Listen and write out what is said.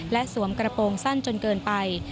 และสวมกระโปรงสั้นจนเกินไป